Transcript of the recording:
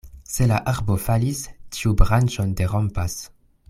Se la arbo falis, ĉiu branĉon derompas.